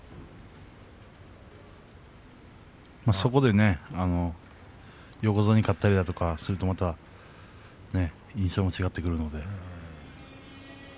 そこでね横綱に勝ったりだとかするとまた印象も違ってくるので。